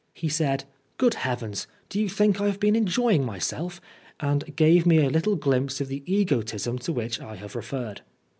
He said, " Good Heavens, do you think I have been enjoying myself?" and gave me a little glimpse of the egotism to which I have referred.